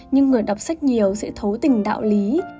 nhưng người đọc sách nhiều sẽ thấu tình đạo lý